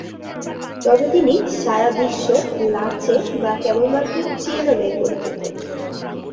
তবে তিনি সারা বিশ্ব লা চে বা কেবলমাত্র চে নামেই পরিচিত।